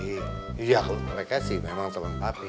iya mereka sih memang temen papi